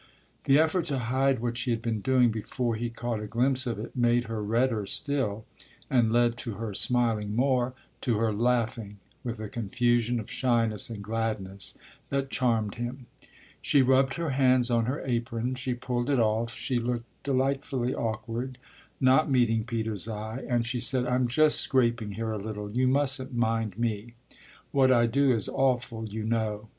The effort to hide what she had been doing before he caught a glimpse of it made her redder still and led to her smiling more, to her laughing with a confusion of shyness and gladness that charmed him. She rubbed her hands on her apron, she pulled it off, she looked delightfully awkward, not meeting Peter's eye, and she said: "I'm just scraping here a little you mustn't mind me. What I do is awful, you know.